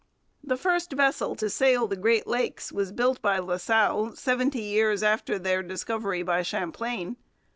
The first vessel to sail the Great Lakes was built by La Salle seventy years after their discovery by Champlain.